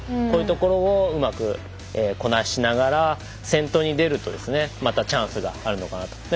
こういうところをうまくこなしながら先頭に出るとまたチャンスがあるのかなと。